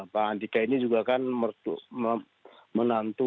pak andika ini juga kan menantu